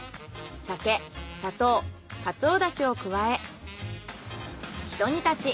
酒砂糖カツオだしを加えひと煮立ち。